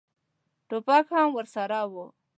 ټوپک هم ورسره و.